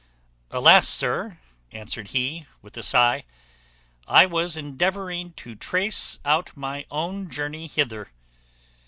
"Alas! sir," answered he with a sigh, "I was endeavouring to trace out my own journey hither.